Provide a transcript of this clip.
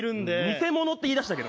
偽者っていいだしたけど。